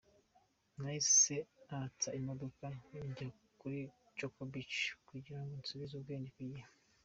Nahise natsa imodoka njya kuri Coco Beach kugira ngo nsubize ubwenge ku gihe.